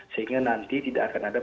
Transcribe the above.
sehingga nanti tidak akan ada